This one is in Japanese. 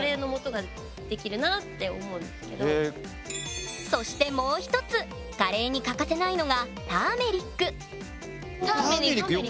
それがそしてもう一つカレーに欠かせないのがターメリックよく聞く。